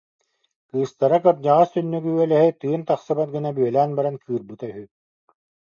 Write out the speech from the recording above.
Кыыстара кырдьаҕас түннүгү-үөлэһи тыын тахсыбат гына бүөлээн баран кыырбыта үһү